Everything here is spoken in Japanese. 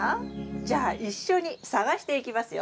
じゃあ一緒に探していきますよ。